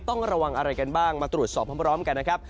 ต้องระวังอะไรกันบ้างมาตรวจสอบพร้อมกันนะครับ